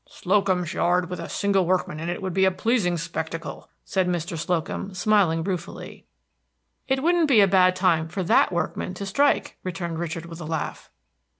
"Slocum's Yard with a single workman in it would be a pleasing spectacle," said Mr. Slocum, smiling ruefully. "It wouldn't be a bad time for that workman to strike," returned Richard with a laugh.